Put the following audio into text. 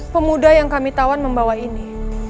pemuda yang kami tawan membawa ini